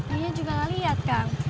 ia juga gak liat kang